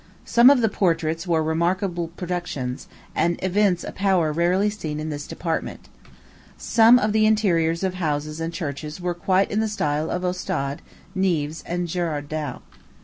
Some of the portraits were remarkable productions, and evince a power rarely seen in this department. Some of the interiors of houses and churches were quite in the style of Ostade, Neefs, and Gerard Dow.